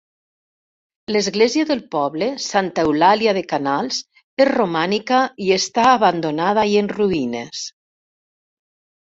L'església del poble, Santa Eulàlia de Canals, és romànica i està abandonada i en ruïnes.